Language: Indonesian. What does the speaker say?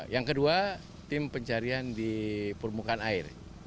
yang kedua tim pencarian di permukaan air